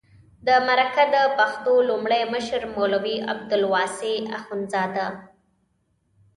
د مرکه د پښتو لومړی مشر مولوي عبدالواسع اخندزاده و.